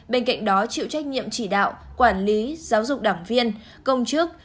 bên cạnh đó chịu trách nhiệm chỉ đạo quản lý giáo dục đảng viên công chức